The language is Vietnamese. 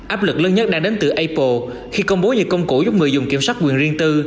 áp lực lớn nhất đang đến từ apple khi công bố nhiều công cụ giúp người dùng kiểm soát quyền riêng tư